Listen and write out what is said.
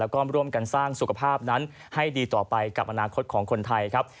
แล้วก็ร่วมกันสร้างสุขภาพนั้นให้ดีต่อไปกับอนาคตของคนไทยครับ